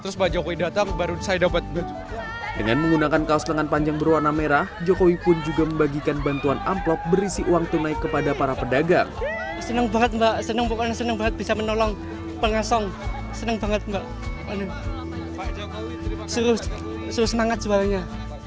suruh suruh senangat sebarangnya